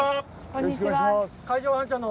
よろしくお願いします。